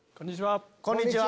こんにちは。